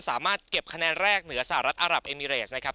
สามารถเก็บคะแนนแรกเหนือสหรัฐอารับเอมิเรสนะครับ